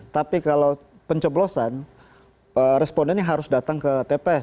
tapi kalau pencoblosan respondennya harus datang ke tps